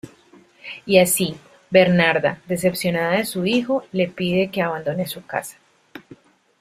Y así, Bernarda, decepcionada de su hijo, le pide que abandone su casa.